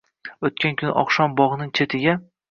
O’tgan kuni oqshom bog’ning chetiga